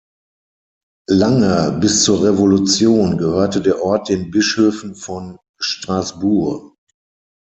Lange, bis zur Revolution, gehörte der Ort den Bischöfen von Strasbourg.